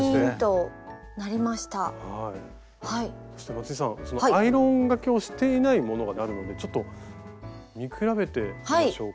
松井さんそのアイロンがけをしていないものがあるのでちょっと見比べてみましょうか。